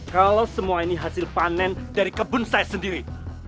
kalau semua ini hasil panen dari kebun saya sendiri